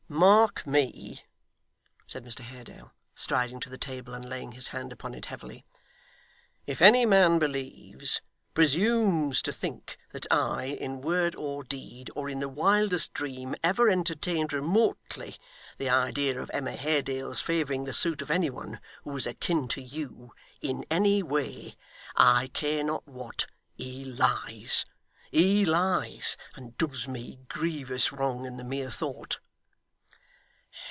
'Mark me,' said Mr Haredale, striding to the table, and laying his hand upon it heavily. 'If any man believes presumes to think that I, in word or deed, or in the wildest dream, ever entertained remotely the idea of Emma Haredale's favouring the suit of any one who was akin to you in any way I care not what he lies. He lies, and does me grievous wrong, in the mere thought.